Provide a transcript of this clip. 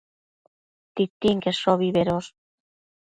Titinqueshobi bedosh